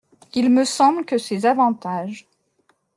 Il me semble que ces avantages…